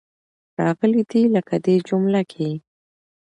راغلې دي. لکه دې جمله کې.